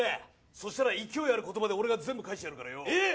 そしたら、勢いある言葉で俺が全部返してやるからよ。